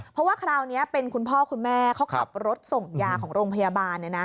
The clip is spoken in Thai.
เพราะว่าคราวนี้เป็นคุณพ่อคุณแม่เขาขับรถส่งยาของโรงพยาบาล